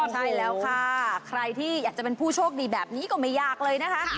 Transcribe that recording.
ใช่แล้วค่ะใครที่อยากจะเป็นผู้โชคดีแบบนี้ก็ไม่ยากเลยนะคะ